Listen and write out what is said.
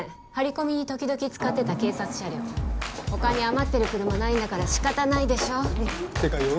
張り込みに時々使ってた警察車両他に余ってる車ないんだから仕方ないでしょてか